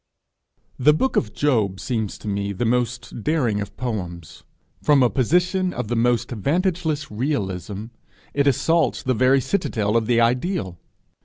The book of Job seems to me the most daring of poems: from a position of the most vantageless realism, it assaults the very citadel of the ideal!